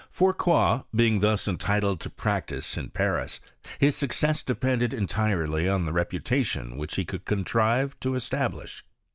Fourcroy being thus entitled to practise ia Paris, his success depended entirely on tbe reputation which he could contrive to establish.